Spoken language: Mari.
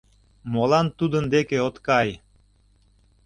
Молан тудын дек от кай?